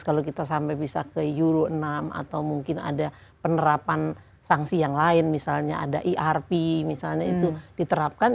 kalau kita sampai bisa ke euro enam atau mungkin ada penerapan sanksi yang lain misalnya ada erp misalnya itu diterapkan